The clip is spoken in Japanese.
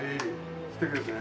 素敵ですね。